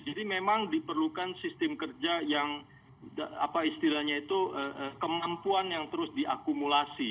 jadi memang diperlukan sistem kerja yang apa istilahnya itu kemampuan yang terus diakumulasi